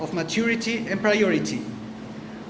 dengan maturitas dan prioritas